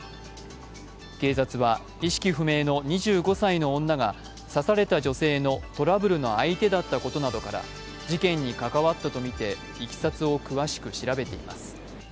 警察は意識不明の２５歳の女が刺された女性のトラブルの相手だったことなどから、事件に関わったとみていきさつを詳しく調べています。